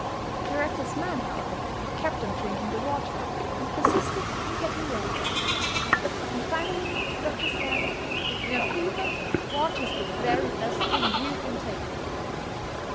The reckless men, however, kept on drinking the water, and persisted in getting well. And finally the doctors said: "In a fever, water is the very best thing you can take."